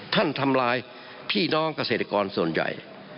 ทำลายพี่น้องเกษตรกรส่วนใหญ่